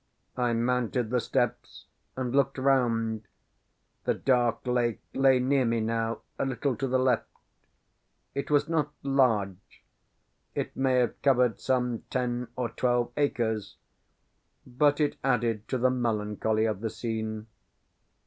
I mounted the steps, and looked round; the dark lake lay near me now, a little to the left. It was not large; it may have covered some ten or twelve acres; but it added to the melancholy of the scene.